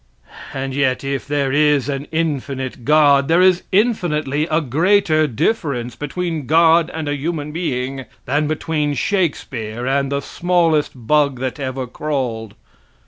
And yet if there is an infinite God, there is infinitely a greater difference between that God and a human being than between Shakespeare and the smallest bug that ever crawled.